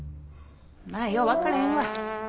何やよう分からへんわ。